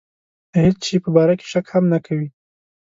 د هېڅ شي په باره کې شک هم نه کوي.